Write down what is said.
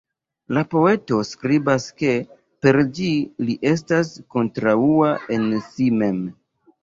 La poeto skribas ke per ĝi li estas "kontraŭa en si mem".